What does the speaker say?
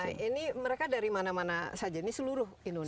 nah ini mereka dari mana mana saja ini seluruh indonesia